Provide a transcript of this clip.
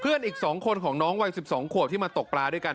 อีก๒คนของน้องวัย๑๒ขวบที่มาตกปลาด้วยกัน